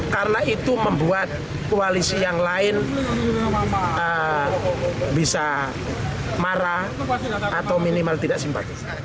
karena itu membuat koalisi yang lain bisa marah atau minimal tidak simpati